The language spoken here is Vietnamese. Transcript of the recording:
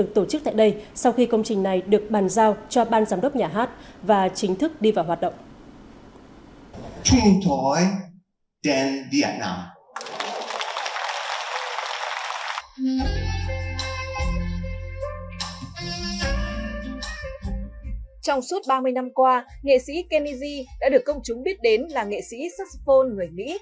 trong suốt ba mươi năm qua nghệ sĩ kennedy đã được công chúng biết đến là nghệ sĩ saxophone người mỹ